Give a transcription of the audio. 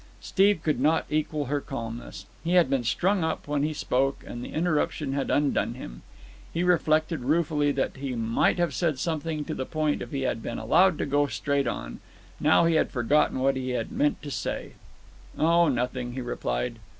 Steve could not equal her calmness. He had been strung up when he spoke, and the interruption had undone him. He reflected ruefully that he might have said something to the point if he had been allowed to go straight on; now he had forgotten what he had meant to say. "Oh, nothing," he replied.